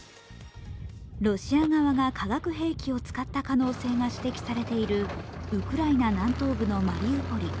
ロシア側が化学兵器を使った可能性が指摘されているウクライナ南東部のマリウポリ。